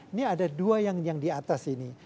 ini ada dua yang di atas ini